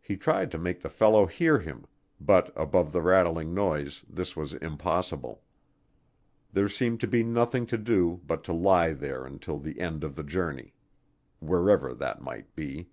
He tried to make the fellow hear him, but above the rattling noise this was impossible. There seemed to be nothing to do but to lie there until the end of the journey, wherever that might be.